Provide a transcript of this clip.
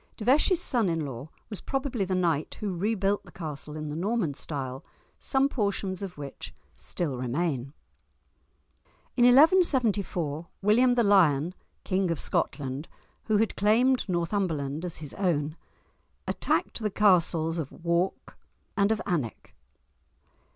De Vesci's son in law was probably the knight who rebuilt the castle in the Norman style, some portions of which still remain. In 1174, William the Lion, King of Scotland, who had claimed Northumberland as his own, attacked the castles of Wark and of Alnwick.